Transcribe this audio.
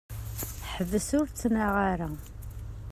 Ḥbes ur ttnaɣ ara.